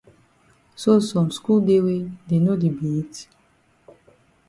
So some skul dey wey dey no di beat?